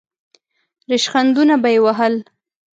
ریشخندونه به یې وهل.